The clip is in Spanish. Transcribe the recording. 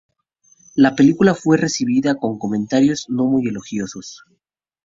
La película fue recibida con comentarios no muy elogiosos.